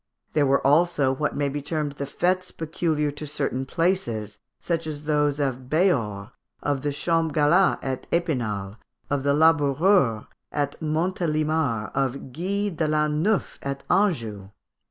There were also what may be termed the fêtes peculiar to certain places, such as those of Béhors, of the Champs Galat at Epinal, of the Laboureurs at Montélimar, of Guy l'an neuf at Anjou.